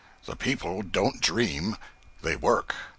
The people don't dream, they work.